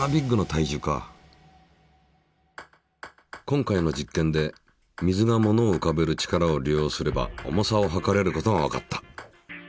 今回の実験で水がものをうかべる力を利用すれば重さを量れることがわかった。